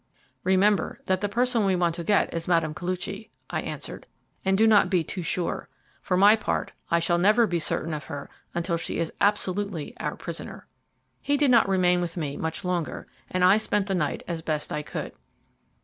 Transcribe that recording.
"Remember that the person we want to get is Mme. Koluchy," I answered, "and do not be too sure. For my part, I shall never be certain of her until she is absolutely our prisoner." He did not remain with me much longer, and I spent the night as best I could.